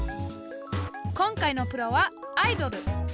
今回のプロはアイドル。